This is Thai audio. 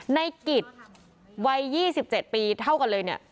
ในกิจวัย๒๗ปีเท่ากันเลยเนี่ย